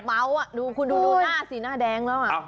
เกอร์เบาคุณดูหน้าสีหน้าแดงแล้ว